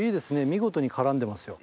見事に絡んでますよ。